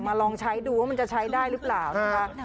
ลองใช้ดูว่ามันจะใช้ได้หรือเปล่านะคะ